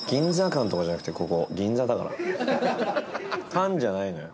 感じゃないのよ。